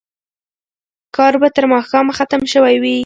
کار به تر ماښامه ختم شوی وي.